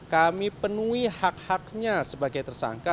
kami penuhi hak haknya sebagai tersangka